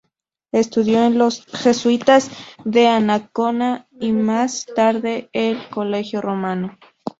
Estudio en los jesuitas de Ancona y más tarde en el "Collegio Romano".